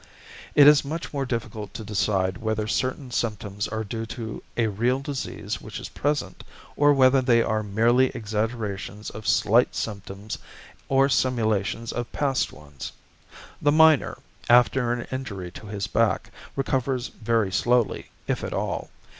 It is much more difficult to decide whether certain symptoms are due to a real disease which is present, or whether they are merely exaggerations of slight symptoms or simulations of past ones. The miner, after an injury to his back, recovers very slowly, if at all.